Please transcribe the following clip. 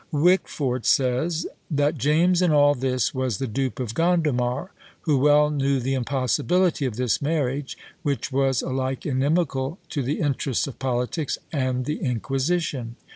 Wicquefort says, "that James in all this was the dupe of Gondomar, who well knew the impossibility of this marriage, which was alike inimical to the interests of politics and the Inquisition.